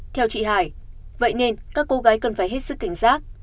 theo chị hải vậy nên các cô gái cần phải hết sức cảnh giác